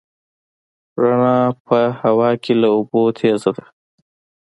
رڼا په هوا کې له اوبو تېزه ده.